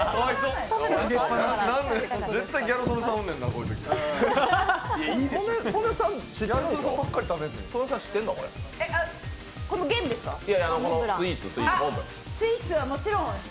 絶対ギャル曽根さんおんねんな、こういうとき。